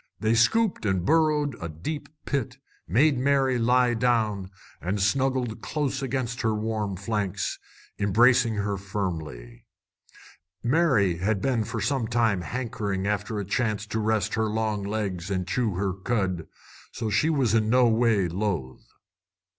They scooped and burrowed a deep pit, made Mary lie down, and snuggled close against her warm flanks, embracing her firmly. Mary had been for some time hankering after a chance to rest her long legs and chew her cud, so she was in no way loath.